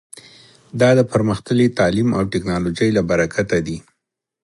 دا د پرمختللي تعلیم او ټکنالوژۍ له برکته دی